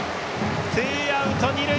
ツーアウト、二塁。